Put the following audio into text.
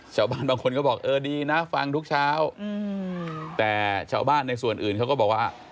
ชาวบ้านบางคนก็บอกเออดีนะฟังทุกเช้าแต่ชาวบ้านในส่วนอื่นเขาก็บอกว่า